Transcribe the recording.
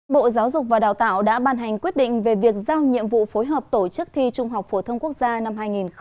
bộ giáo dục và đào tạo đã ban hành quyết định về việc giao nhiệm vụ phối hợp tổ chức thi trung học phổ thông quốc gia năm hai nghìn một mươi chín